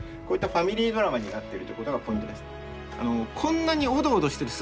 こういったファミリードラマになってるということがポイントです。